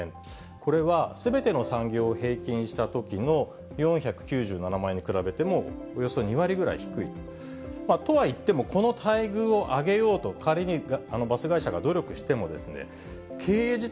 これはすべての産業を平均したときの４９７万円に比べても、およそ２割ぐらい低いと。とはいっても、この待遇を上げようと、仮にバス会社が努力しても、経営自体